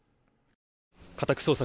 家宅捜索